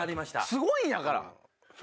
すごいんやから！